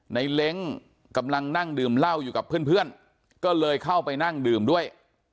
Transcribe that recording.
เล้งกำลังนั่งดื่มเหล้าอยู่กับเพื่อนก็เลยเข้าไปนั่งดื่มด้วย